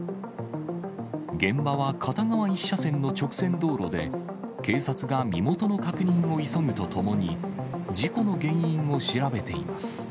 現場は片側１車線の直線道路で、警察が身元の確認を急ぐとともに、事故の原因を調べています。